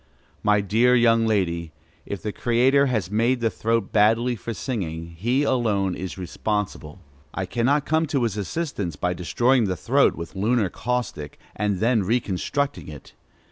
My dear young lady, if the Creator has made the throat badly for singing, he alone is responsible. I cannot come to his assistance by destroying the throat with lunar caustic, and then reconstructing it.